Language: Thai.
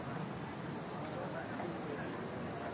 โปรดติดตามต่อไป